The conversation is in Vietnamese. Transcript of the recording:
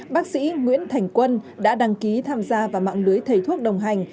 bác sĩ nguyễn thành quân đã đăng ký tham gia vào mạng lưới thầy thuốc đồng hành